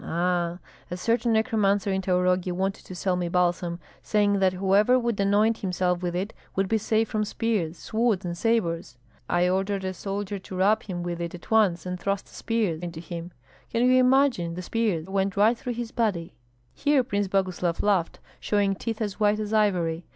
Aha! A certain necromancer in Taurogi wanted to sell me balsam, saying that whoever would anoint himself with it would be safe from spears, swords, and sabres. I ordered a soldier to rub him with it at once and thrust a spear into him. Can you imagine, the spear went right through his body." Here Prince Boguslav laughed, showing teeth as white as ivory.